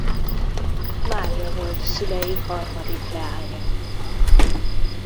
Mária volt szülei harmadik leánya.